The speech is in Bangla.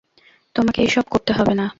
তোমাকে এইসব করতে হবে না।